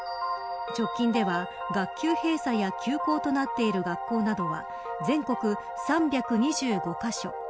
直近では、学級閉鎖や休校となっている学校などは全国３２５カ所。